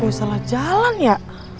gue salah jalan ya